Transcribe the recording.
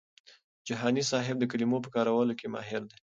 جهاني صاحب د کلمو په کارولو کي ماهر دی.